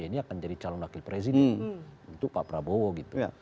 jadi pak prabowo akan jadi calon wakil presiden untuk pak prabowo gitu